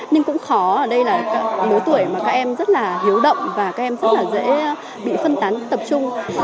nhưng cũng khó ở đây là lứa tuổi mà các em rất là hiếu động và các em rất là dễ bị phân tán tập trung